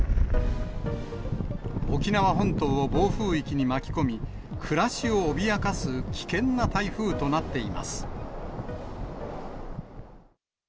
沖縄本島を暴風域に巻き込み、暮らしを脅かす、危険な台風となっています。